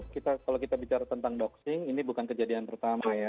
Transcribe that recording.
kalau kita bicara tentang boxing ini bukan kejadian pertama ya